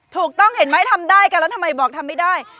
ถูกต้องเห็นไหมทำได้กันแล้วทำไมบอกทำไม่ได้